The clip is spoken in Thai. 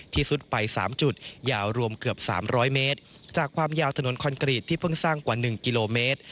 ซุดไป๓จุดยาวรวมเกือบ๓๐๐เมตรจากความยาวถนนคอนกรีตที่เพิ่งสร้างกว่า๑กิโลเมตร